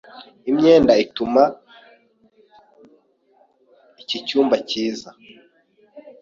Imyenda ituma iki cyumba cyiza.